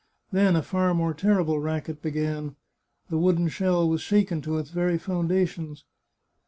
Then a far more terrible racket began. The wooden shell was shaken to its very foundations.